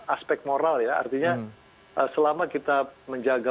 aspek moral ya artinya selama kita menjaga